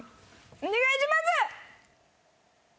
お願いします！